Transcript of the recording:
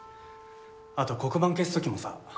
あと黒板消す時もさ